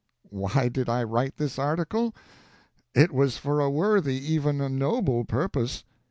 Why did I write this article? It was for a worthy, even a noble, purpose.